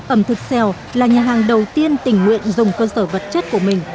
ẩm thực xeo là nhà hàng đầu tiên tình nguyện dùng cơ sở vật chất của mình